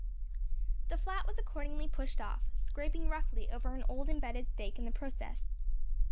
The flat was accordingly pushed off, scraping roughly over an old embedded stake in the process.